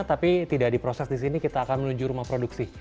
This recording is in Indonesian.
tapi tidak diproses di sini kita akan menuju rumah produksi